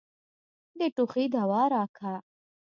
د ټوخي دوا راکه.